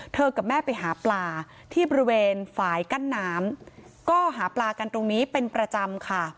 กับแม่ไปหาปลาที่บริเวณฝ่ายกั้นน้ำก็หาปลากันตรงนี้เป็นประจำค่ะ